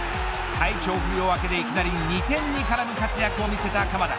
体調不良明けでいきなり２点に絡む活躍を見せた鎌田。